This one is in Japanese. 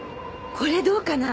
これどうかな？